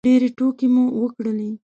ډېرې ټوکې مو وکړلې